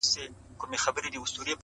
• څه خبر وي چي پر نورو څه تیریږي -